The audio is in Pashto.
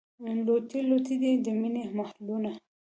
لوټې لوټې دي، د مینې محلونه